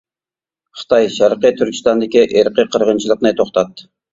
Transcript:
خىتاي شەرقىي تۈركىستاندىكى ئىرقىي قىرغىنچىلىقنى توختات!